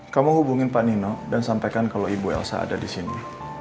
kamu hubungin pak nino dan sampaikan kalau ibu elsa ada di sini